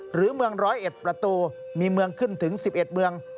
หรือเมือง๑๐๑ประตูมีเมืองขึ้นถึง๑๑เมือง